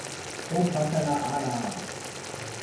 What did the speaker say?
o pakala ala!